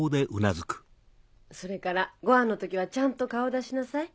それからごはんの時はちゃんと顔を出しなさい。